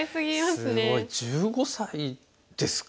すごい１５才ですか。